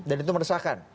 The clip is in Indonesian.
dan itu meresahkan